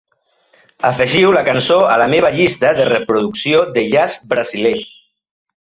Afegiu la cançó a la meva llista de reproducció de jazz brasiler.